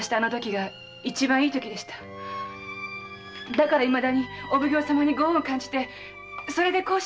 だから未だにお奉行様にご恩を感じてそれでこうして！